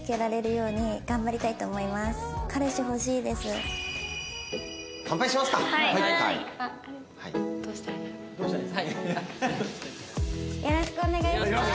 よろしくお願いします！